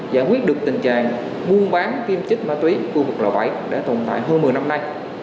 giải quyết được tình trạng buôn bán tiêm trích ma túy khu vực lò bảy đã tồn tại hơn một mươi năm nay